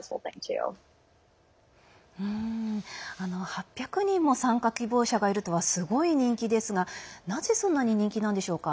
８００人も参加希望者がいるとはすごい人気ですが、なぜそんなに人気なんでしょうか？